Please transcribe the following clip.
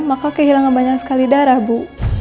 maka kehilangan banyak sekali darah bu